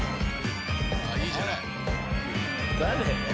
・いいじゃない・誰？